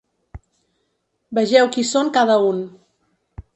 Vegeu qui són cada un.